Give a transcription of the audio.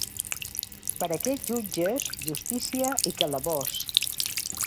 Per aquests jutges, justícia i calabós.